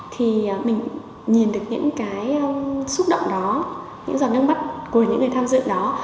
thì mình nhìn được những cái xúc động đó những giọt nước mắt của những người tham dự đó